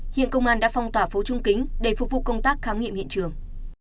hiện công an đã phong tỏa phố trung kính để phục vụ công tác khám nghiệm hiện trường